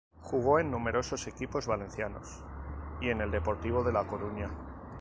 Jugó en numerosos equipos valencianos y en el Deportivo de La Coruña.